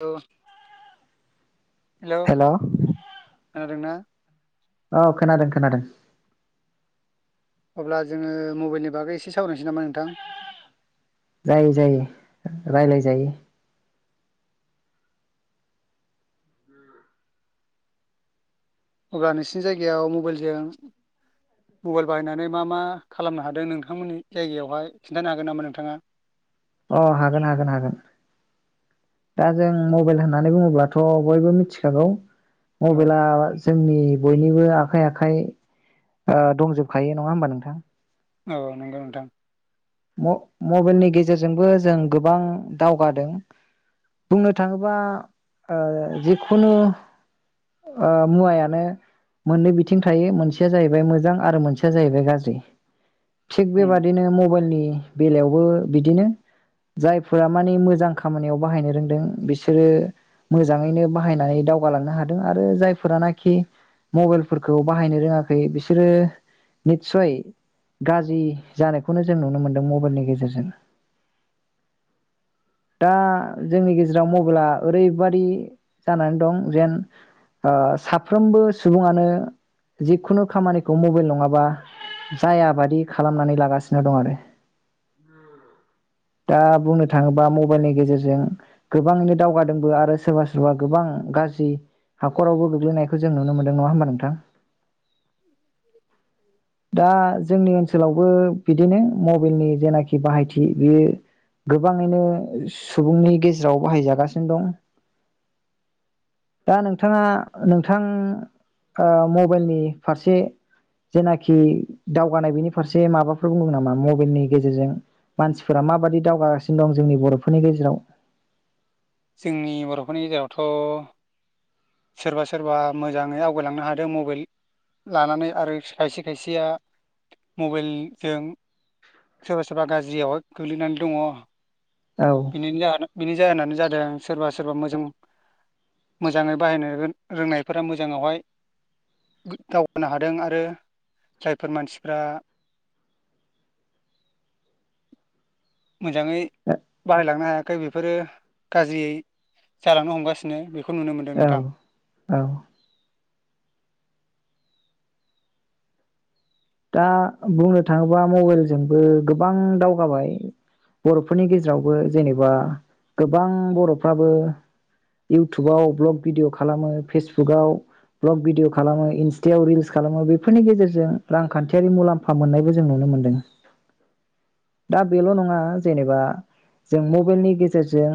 औ hello hello खोनादोंना औ खोनादों खोनादों अब्ला जोंङो मबाइलनि बागै एसे सावरायनोसै नामा नोंथां जायो जायो रायलाय जायो अब्ला नोंसिनि जायगायाव मबाइलजों मबाइल बाहायनानै मा मा खालामनो हादों नोंथांमोननि जायगायावहाय खिन्थानो हागोन नामा नोंथांङा अ हागोन हागोन हागोन दा जों मबाइल होननानै बुङोब्लाथ' बयबो मिथिखागौ औ मबाइला जोंनि बयनिबो आखाइ आखाइ ओ दंजोबखायो नंङा होमबा नोंथां औ नंगौ नोंथां म मबाइलनि गेजेरजोंबो जों गोबां दावगादों बुंनो थांङोबा ओ जिखुनु मुवायानो मोननै बिथिं थायो मोनसेया जाहैबाय मोजां आरो मोनसेया जाहैबाय गाज्रि थिग उम बेबादिनो मबाइलनि नि बेलायावबो बिदिनो जायफोरा मानि मोजां खामानियाव बाहायनो रोंदों बिसोरो मोजांङैनो बाहायनानै दावगालांनो हादों आरो जायफोरानाखि मबाइलफोरखौ बाहायनो रोंङाखै बिसोरो नितसय गाज्रि जानायखौनो जों नुनो मोन दों मबाइलनि गेजेरजों दा जोंनि गेजेराव मबेइला ओरैबादि जानानै दं जेन ओ साफ्रोमबो सुबुंंयानो जिखुनु खामानिखौ मबेइल नंङाबा जाया बादि खालामनानै लागासिनो दं आरो दा बुंनो थांङोबा मबाइलनि गेजेरजों गोबांङैनो दावगादोंबो आरो सोरबा सोरबा गोबां गाज्रि हाखरावबो गोग्लैनायखौ जों नुनो मोनदों नंङा होमबा नोंथां दा जोंनि ओनसोलावबो बिदिनो मब बेलनि जेनाखि बाहायथि बेयो गोबाङैनो सुबुंनि गेजेराव बाहायजागासिनो दं दा नोंथाङा नोंथां ओ मबेलनि फारसे जेनाखि दावगानाय बेनि फारसे माबाफोर बुंगोन नामा म बेलनि गेजेरजों मानसिफोरा माबायदि दावगागासिनो दं जोंनि बर'फोरनि गेजेराव जोंनि बर'फोरनि गेजेरावथ' सोरबा सोरबा मोजाङै आवगायलांनो हादों मबाइल लानानै आरो खायसे खायसेया मबाइलजों सोरबा सोरबा गाज्रियावहाय गोग्लैनानै दङ औ ओ बिनिनो जाहोन बिनि जाहोनानो जा दों सोरबा सोरबा मोजां मोजाङै बाहायनो रो-रोंनायफोरा मोजाङावहाय दावगानो हादों आरो जायफोर मानसिफोरा मोजाङै बाहायलांनो हायाखै बेफोरो गाज्रियै जालांनो हमगासिनो बेख खौ नुनो मोन्दों औ नोंथां औ दा बुंनो थाङोबा मबाइलजोंबो गोबां दावगाबाय बर'फोरनि गेजेरावबो जेनेबा गोबां बर'फ्राबो इउटुबाव भ्लग भिडिय' खालामो फेसबुकाव भ्लग भिडिय' खालामो इन्स्टायाव रिल्स खालामो बेफोरनि गेजेरजों रांखान्थियारि मुलाम्फा मोननायबो जों नुनो मोन्दों दा बेल' नङा जेनेबा जों मबाइलनि गेजेरजों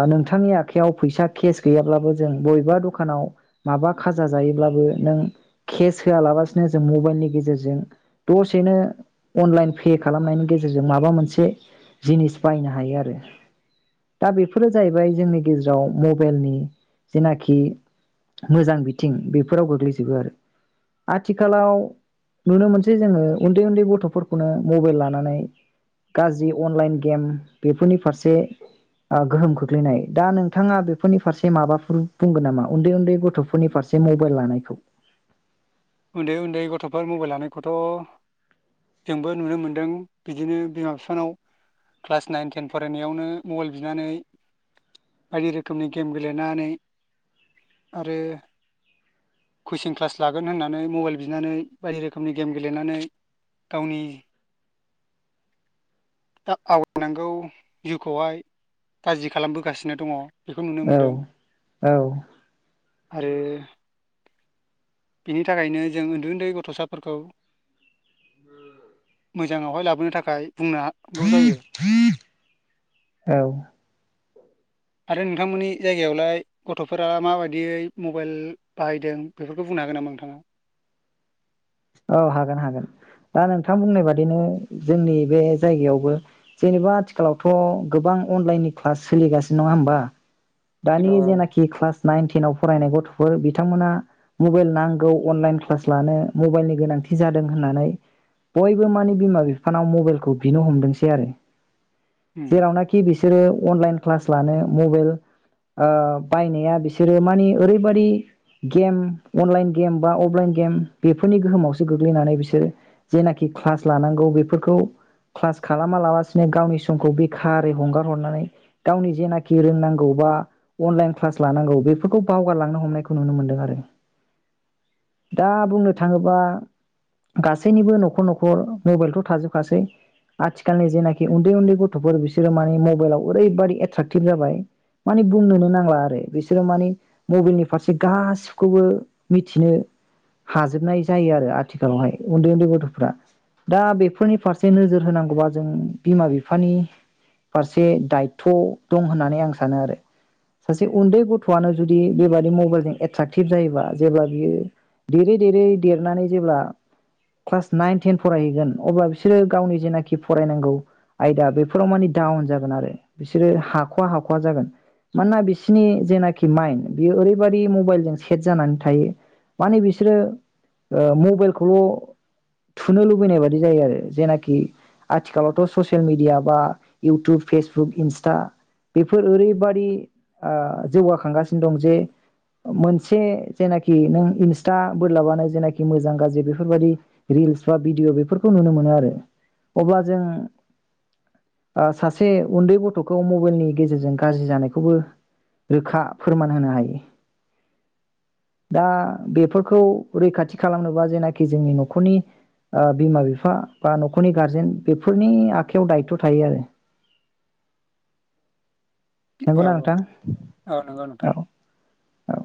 ओ नोंथांनि आखाइयाव फैसा केस गैयाब्लाबो जों बबेबा दखानाव माबा खाजा जायोब्लाबो नों केस होआलाबसिनो जों मब मबाइलनि गेजेरजों दसेनो अनलाइन पे खालामनायनि गेजेरजों माबा मोनसे जिनिस बायनो हायो आरो दा बेफोरो जाहैबाय जोंनि गेजेराव मबाइलनि जेनाखि मोजां बिथिं बेफोराव गोग्लैजोबो आरो आथिखालाव नुनो मोनसै जोङो उन्दै उन्दै गथ'फोरखौनो मबाइल लानानै गाज्रि अनलाइन गेम बेफोरनि फारसे ओ गोहोम खोख्लैनाय दा नोंथाङा बेफोरनि फारसे माबाफोर बुंगोन नामा उन्दै उन्दै गथ'फोरनि फारसे मबाइल लानायखौ उन्दै उन्दै गथ'फोर मबाइल लानायखौथ' जोंबो नुनो मोनदों बिदिनो बिमा बिफानाव क्लास नाइन टेन फरायनायावनो मबाइल बिनानै बायदि रोखोमनि गेम गेलेनानै आरो कचिं क्लास लागोन होनना नानै मबाइल बिनानै बायदि रोखोमनि गेम गेलेनानै गावनि दा आवगायनांगौ जिउखौहाय गाज्रि खालामबोगासिनो दङ बेखौ नुनो औ मोनदों औ आरो बिनि थाखायनो जों उन्दै उन्दै गथ'साफोरखौ मोजाङावहाय लाबोनो थाखाय बुंनो हांगौ जायो औ आरो नोंथांमोननि जायगायावलाय गथ'फोरा माबायदियै मबाइल बाहायदों बेफोरखौ बुंनो हागोन नामा नोंथाङा औ हागोन हागोन दा नोंथां बुंनाय बादिनो जोंनि बे जायगायावबो जेनेबा आथिखालावथ' गोबां अनलाइननि क्लास सोलिगासिनो नङा होमबा दानि औ जेनाखि क्लास नाइन टेनाव फरायनाय गथ'फोर बिथांमोना मबाइल नांगौ अनलाइन क्लास लानो मबाइलनि गोनांथि जादों होननानै बयबो माने बिमा बिफानाव मबाइलखौ बिनो हमदोंसै आरो उम जेरावनाखि बेस बिसोरो अनलाइन क्लास लानो मबाइल ओ बायनाया बिसोरो माने ओरैबायदि गेम अनलाइन गेम बा अफलाइन गेम बेफोरनि गोहोमावसो गोग्लैनानै बिसोरो जेनाखि क्लास लानांगौ बेफोरखौ क्लास खालामा लाबासिनो गावनि समखौ बेखारै हंगार हरनानै गावनि जेनाखि रोंनांगौ बा अनलाइन क्लास लानांगौ बेफोरखौ बावगारलांनो हमनायखौ नुनो मोनदों आरो दा बुंनो थाङोबा गासैनिबो न'खर न'खर मबाइलथ' थाजोबखासै आथिखालनि जेनाखि उन्दै उन्दै गथ'फोर बिसोरो माने मबाइलाव ओरैबादि एट्राेकटिभ जाबाय मानि बुंनोनो नांला आरो बिसोरो मानि मबाइलनि फारसे गासिखौबो मिथिनो हाज जोबनाय जायो आरो आथिखालावहाय उन्दै उन्दै गथ'फोरा दा बेफोरनि फारसे नोजोर होनांगौबा जों बिमा बिफानि फारसे दायथ' दं होननानै आं सानो आरो सासे उन्दै गथ'आनो जुदि बेबादि मबाइलजों एट्राकटिभ जायोबा जेब्ला बियोे देरै देरै देरनानै जेब्ला क्लास नाइन टेन फरायहैगोन अब्ला बिसोरो गावनि जेनाखि फरायनांगौ आयदा बेफोराव माने डाउन जागोन आरो बिसोरो हाख'वा हाख'वा जागोन मानोना बिसोरनि जेनाखि माइन्द बियो ओरैबायदि मबाइलजों सेट जानानै थायो माने बिसोरो ओ मबाइलखौल' थुनो लुबैनाय बादि जायो आरो जेनाखि आथिखालावथ' ससियेल मिडिया बा इउटुब फेसबुक इन्स्टा बेफोर ओरैबादि ओ जौगाखांगासिनो दं जे मोनसे जेनाखि नों इन्स्टा बोरलाबानो जेखि मोजां गाज्रि बेफोरबायदि रिल्स बा भिडिअ बेफोरखौ नुनो मोनो आरो अब्ला जों ओ सासे उन्दै गथ'खौ मबाइलनि गेजेरजों गाज्रि जानायखौबो रोखा फोरमान होनो हायो दा बेफोर खौ रैखाथि खालामनोबा जेनाखि जोंनि न'खरनि ओ बिमा बिफा बा न'खरनि गारजेन बेफोरनि आखायाव दायथ' थायो आरो औ नंगौना नोंथां औ औ नंगौ नोंथां औ औ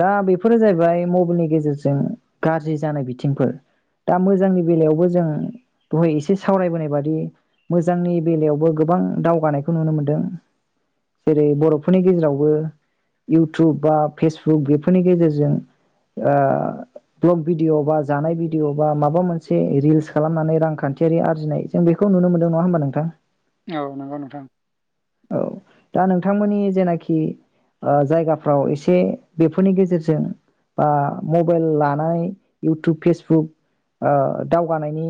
दा बेफोरो जाहैबाय मबाइलनि गेजेरजों गाज्रि जानाय बिथिंफोर दा मोजांनि बेलायावबो जों दहाय एसे सावरायबोनाय बादि मोजांनि बेलायावबो गोबां दावगानायखौ नुनो मोनदों जेरै बर'फोरनि गेजेरावबो इउटुब बा फेसबुक बेफोरनि गेजेरजों ओ ब्लग भिडिय' बा जानाय भिडिय'बा माबा मोनसे रिल्स खालामनानै रांखान्थियारि आरजिनाय जों बेखौ नुनो मोनदों नङा होमबा नोंथां औ नंगौ नोंथां औ दा नोंथांमोननि जेनाखि ओ जायगाफ्राव एसे बेफोरनि गेजेरजों बा मबाइल लानाय इउटुब फेसबुक ओ दावगानायनि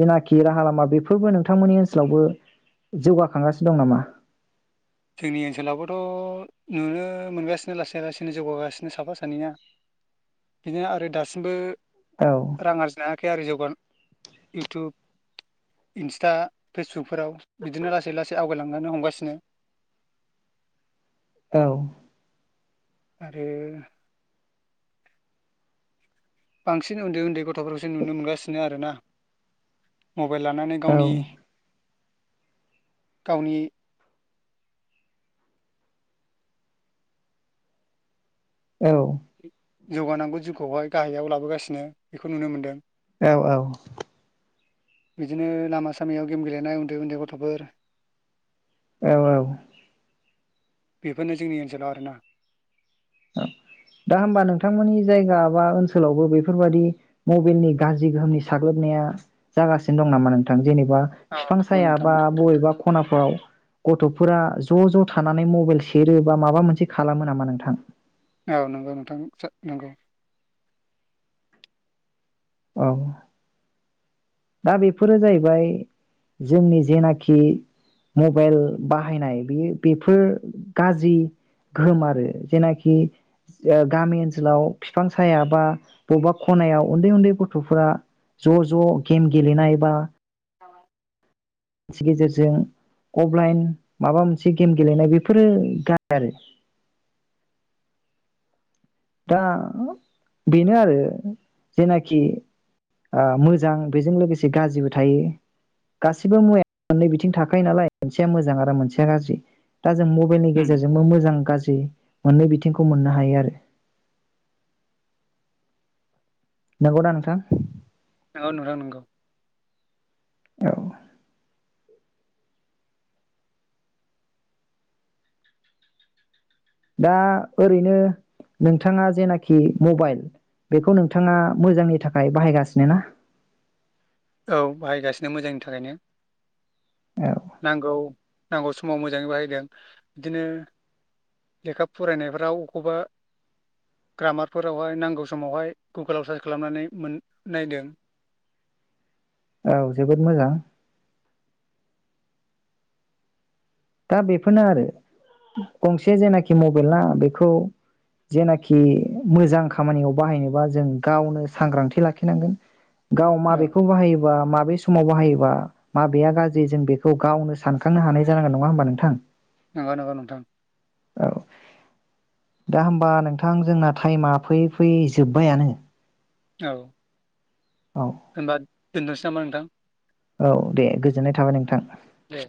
जेनाखि राहा लामा बेफोरबो नोंथांमोननि ओनसोलावबो जौगाखांगासिनो दं नामा। जोंनि ओनसोलावबोथ' नुनो मोनगासिनो लासै लासैनो जौगागासिनो साफा सानैया बिदिनो आरो दासिमबो औ रां आरजिनो हायाखै आरो जौगानो इउटुब इन्स्टा फेसबुकफोराव बिदिनो लासै-लासै आवगायलांनो हमगासिनो। औ। आरो बांसिन उन्दै उन्दै गथ'फोरखौसो नुनो मोनगासिनो आरो ना। मबाइल लानानै गावनि औ गावनि औ। जौगानांगौ जिउखौहाय गाहायाव लाबोगासिनो बेखौ नुनो मोन्दों। औ औ। बिदिनो लामा सामायाव गेम गेलेनाय उन्दै-उन्दै गथ'फोर औ औ। बेफोरनो जोंनि ओनसोलाव आरोना। दा होमबा नोंथांमोननि जायगा बा ओनसोलावबो बेफोरबादि मबाइलनि गाज्रि गोहोमनि साग्लोबनाया जागासिनो दं नामा नोंथां जेने बा बिफां औ नंगौ साया नोंथां बा बबेबा खनाफोराव गथ'फोरा ज' ज' थानानै मबाइल सेरो बा माबा मोनसे खालामो नामा नोंथां। औ नंगौ नोंथां नंगौ। औ। दा बेफोरो जाहैबाय जोंनि जेनाखि मबाइल बाहायनाय बेयो बेफोर गाज्रि गोहोम आरो जेनाखि गामि ओ ओनसोलाव बिफां साया बा बबेबा खनायाव उन्दै-उन्दै गथ'फोरा ज'-ज' गेम गेलनाय एबा [inaudible] मानसि गेजेरजों अफलाइन माबा मोनसे गेम गेलेनाय बेफोरो गार आरो दा बेनो आरो जेनाखि ओ मोजां बेजों लोगोसे गाज्रिबो थायो गासिबो मुवाया मोननै बिथिं थाखायो नालाय मोनसेया मोजां आरो मोनसेया गाज्रि। दा जों मबाइलनि गेजेरजोंबो मोजां गाज्रि मोननै बिथिंखौ मोननो हायो आरो। नंगौ दा नोंथां। औ नोंथां नंगौ। औ। दा ओरैनो नोंथाङा जेनाखि मबाइल बेखौ नोंथाङा मोजांनि थाखाय बाहायगासिनो ना। औ बाहायगासिनो मोजांनि थाखायनो। औ नांगौ नांगौ समाव मोजाङै बाहायदों बिदिनो लेखा फरायनायफोराव अबेखौेबा ग्रामारफोरावहाय नांगौ समावहाय गुगोलाव सार्च खालामनानै मोन-नायदों। औ जोबोद मोजां। दा बेफोरनो आरो गंसे जेनाखि मबाइल ला बेखौ जेनाखि मोजां खामानियाव बाहायनोबा जों गावनो सांग्रांथि लाखिनांगोन। गाव औ माबेखौ बाहायोबा माबे समाव बाहायोबा माबेया गाज्रि जों बेखौ गावनो सानखांनो हानाय जानांगोन न नङा होमबा नोंथां नंगौ नंगौ नोंथां औ दा होमबा नोंथां जोंना टाइमा फैयै फैयै जोब्बायानो औ औ होमबा दोननोसै नामा नोंथां औ दे गोजोननाय थाबाय नोंथां दे